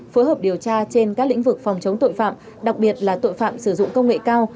phối hợp điều tra trên các lĩnh vực phòng chống tội phạm đặc biệt là tội phạm sử dụng công nghệ cao